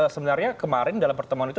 sebenarnya kemarin dalam pertemuan itu